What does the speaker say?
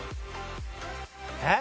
えっ？